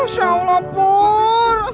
masya allah pur